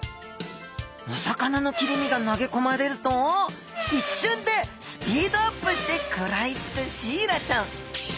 お魚の切り身が投げ込まれると一瞬でスピードアップして食らいつくシイラちゃん